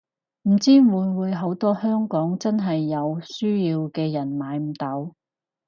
唔知會唔會好多香港真係有需要嘅人買唔到